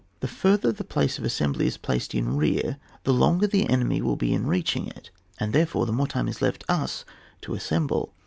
The farther the place of assembly is placed in rear, the longer the enemy will be in reaching it, and, there fore, the more time is left us to assemble.